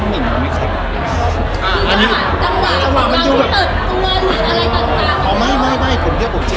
มันมีละครเยอะแล้วที่